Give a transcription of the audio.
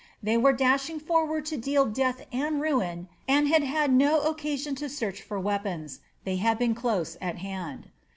They were dashing forward to deal death and ruin and had had no occasion to search for weapons they had been close at hand.